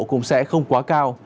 cũng sẽ không quá cao